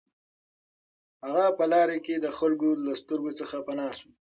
هغه په لاره کې د خلکو له سترګو څخه پناه شو